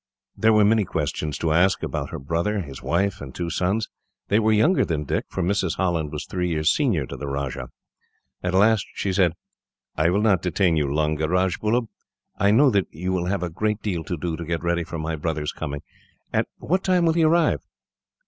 There were many questions to ask about her brother, his wife and two sons. They were younger than Dick, for Mrs. Holland was three years senior to the Rajah. At last, she said, "I will not detain you longer, Rajbullub. I know that you will have a great deal to do, to get ready for my brother's coming. At what time will he arrive?"